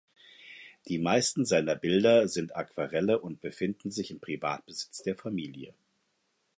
Die meisten seiner Bilder sind Aquarelle und befinden sich im Privatbesitz der Familie.